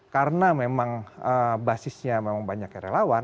karena memang basisnya memang banyak yang relawan